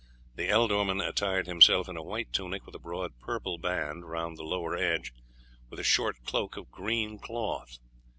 The ealdorman attired himself in a white tunic with a broad purple band round the lower edge, with a short cloak of green cloth.